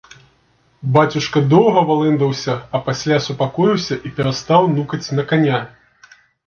Бацюшка доўга валэндаўся, а пасля супакоіўся і перастаў нукаць на каня.